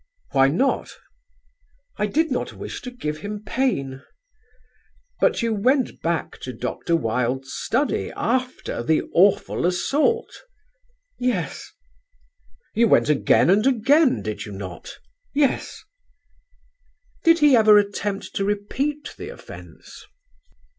"Why not?" "I did not wish to give him pain." "But you went back to Dr. Wilde's study after the awful assault?" "Yes." "You went again and again, did you not?" "Yes." "Did he ever attempt to repeat the offence?"